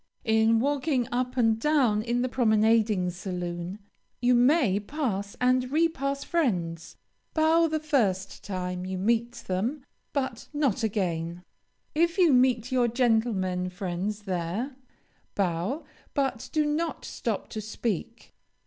In walking up and down in the promenading saloon, you may pass and repass friends. Bow the first time you meet them, but not again. If you meet your gentlemen friends there, bow, but do not stop to speak.